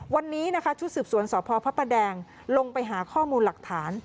วันนี้ชุดสืบสวนสพพแดงลงไปหาข้อมูลหลักฐาน